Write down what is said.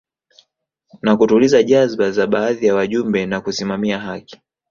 Na kutuliza jazba za baadhi ya wajumbe na kusimamia haki